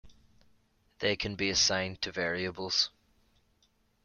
They can be assigned to variables.